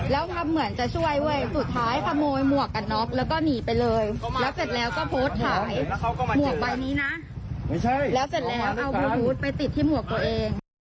แล้วเสร็จแล้วเอาบลูทูธไปติดที่หมวกตัวเอง